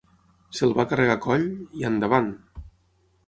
Se'l va carregar a coll... i endavant!